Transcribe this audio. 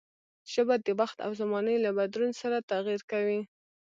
ژبه د وخت او زمانې له بدلون سره تغير کوي.